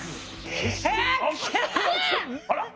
あら？